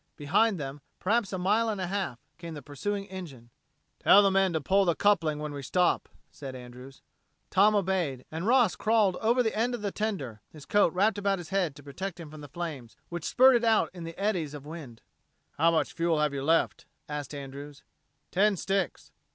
Behind them, perhaps a mile and a half, came the pursuing engine. "Tell the men to pull the coupling when we stop," said Andrews. Tom obeyed, and Ross crawled over the end of the tender, his coat wrapped about his head to protect him from the flames, which spurted out in the eddies of wind. "How much fuel have you left?" asked Andrews. "Ten sticks."